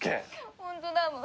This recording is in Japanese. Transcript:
ホントだもん。